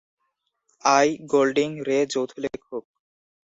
I. Golding, Ray, যৌথ লেখক।